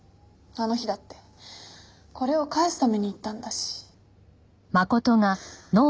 あの日だってこれを返すために行ったんだし。